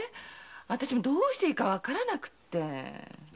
私もどうしていいか分からなくて。